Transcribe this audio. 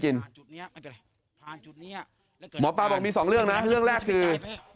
กินหมอปลาบอกมีสองเรื่องนะเรื่องแรกคือ